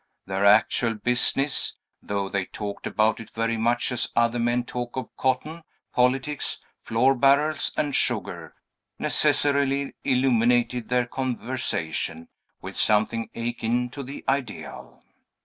Their actual business (though they talked about it very much as other men talk of cotton, politics, flour barrels, and sugar) necessarily illuminated their conversation with something akin to the ideal.